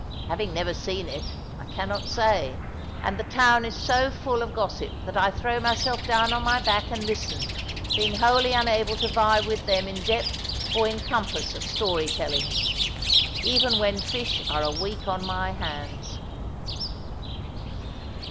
Having never seen it, I cannot say; and the town is so full of gossip that I throw myself down on my back and listen, being wholly unable to vie with them in depth or in compass of story telling, even when fish are a week on my hands.